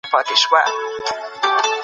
شنه باغونه د ګیدړ په قباله سي.